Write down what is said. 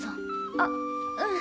あっうん。